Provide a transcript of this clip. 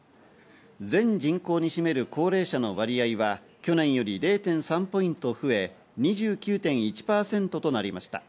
全人口に占める高齢者の割合は去年より０．３ポイント増え、２９．１％となりました。